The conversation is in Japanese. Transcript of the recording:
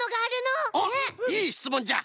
おっいいしつもんじゃ。